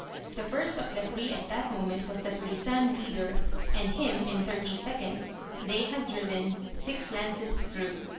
The first of the three at that moment was the "tulisane" leader, and him, in thirty seconds, they had driven six lances through.